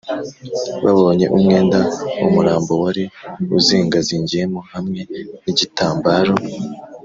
babonye umwenda umurambo wari uzingazingiyemo hamwe n’igitambaro,